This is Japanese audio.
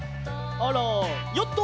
あらヨット！